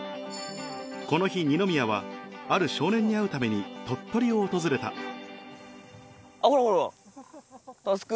この日二宮はある少年に会うために鳥取を訪れたあっほらほら。